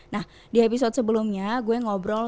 nah di episode sebelumnya gue ngobrol